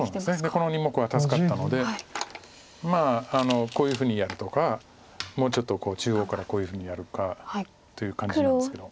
この２目は助かったのでまあこういうふうにやるとかもうちょっと中央からこういうふうにやるかという感じなんですけど。